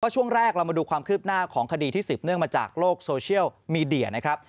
ช่วงแรกเรามาดูความคืบหน้าของคดีที่สืบเนื่องมาจากโลกโซเชียลมีเดียนะครับ